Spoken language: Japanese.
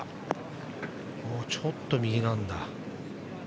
ちょっと右なんだ。